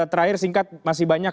terakhir singkat masih banyak